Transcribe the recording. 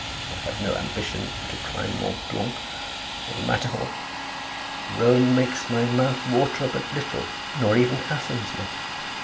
I have no ambition to climb Mont Blanc or the Matterhorn; Rome makes my mouth water but little, nor even Athens much.